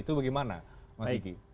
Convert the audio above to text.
itu bagaimana mas yiki